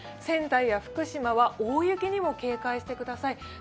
仙台や福島は大雪にも警戒してください。